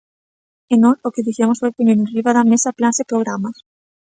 E nós o que fixemos foi poñer enriba da mesa plans e programas.